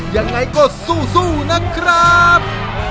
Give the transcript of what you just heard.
ยังไงก็สู้นะครับ